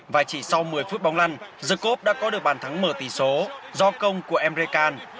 và chỉ sau một mươi phút bóng lăn the coupe đã có được bàn thắng mở tỷ số do công của emre can